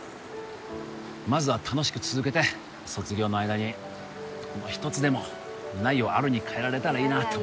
まずは楽しく続けて卒業の間に一つでも「ない」を「ある」に変えられたらいいなと思ってます